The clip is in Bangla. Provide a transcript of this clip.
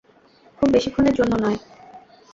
খুব বেশিক্ষণের জন্য নয়।